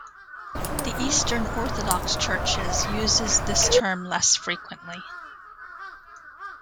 The Eastern Orthodox Churches uses this term less frequently.